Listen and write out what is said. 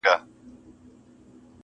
اغزي مي له تڼاکو رباتونه تښتوي-